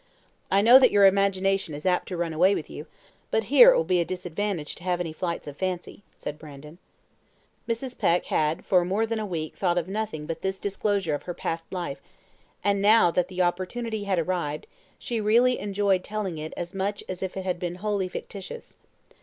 I know that your imagination is apt to run away with you; but here it will be a disadvantage to have any flights of fancy," said Brandon. Mrs. Peck had for more than a week thought of nothing but this disclosure of her past life, and now that the opportunity had arrived, she really enjoyed telling it as much as if it had been wholly fictitious.